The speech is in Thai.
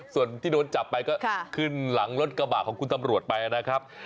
ส่วนที่โดนจับไปก็ขึ้นหลังรถกระบะของคุณตำรวจไปนะครับ